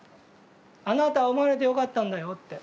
「あなたは生まれてよかったんだよ」って。